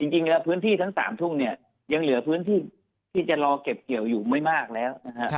จริงแล้วพื้นที่ทั้ง๓ถุงยังเหลือพื้นที่จะรอเก็บเกี่ยวอยู่ไม่มากแล้ว